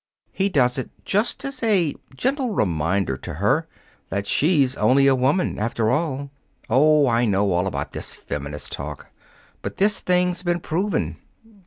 He does it just as a gentle reminder to her that she's only a woman, after all. Oh, I know all about this feminist talk. But this thing's been proven.